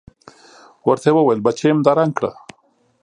ورته يې وويل بچېم دا رنګ کړه.